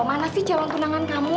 mana sih calon tunangan kamu